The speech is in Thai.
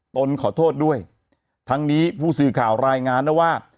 นขอโทษด้วยทั้งนี้ผู้สื่อข่าวรายงานนะว่า